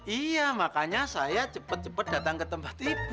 iya makanya saya cepet cepet datang ke tempat ibu